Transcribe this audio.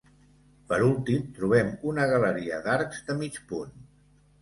Per últim trobem una galeria d'arcs de mig punt.